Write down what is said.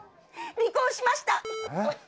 離婚しました！